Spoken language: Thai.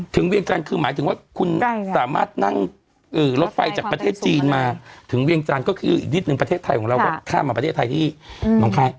เวียงจันทร์คือหมายถึงว่าคุณสามารถนั่งรถไฟจากประเทศจีนมาถึงเวียงจันทร์ก็คืออีกนิดนึงประเทศไทยของเราก็ข้ามมาประเทศไทยที่น้องค่าย